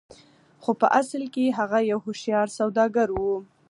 خو په اصل کې هغه يو هوښيار سوداګر و.